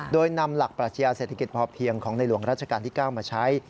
โดยนำหลักปรัชญาเศรษฐกิจพอเพียงของในหลวงราชการที่๙มาใช้